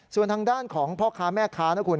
ส่วนทางด้านของพ่อค้าแม่ค้านะคุณ